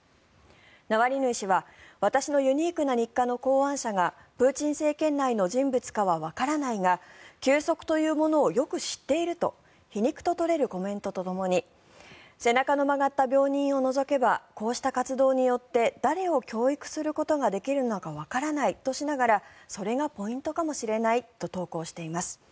ナワリヌイ氏は私のユニークな日課の考案者がプーチン政権内の人物かはわからないが休息というものをよく知っていると皮肉と取れるコメントとともに背中の曲がった病院人を除けばこうした活動によって誰を教育することができるのかわからないとしながらそれがポイントかもしれないと投稿しています。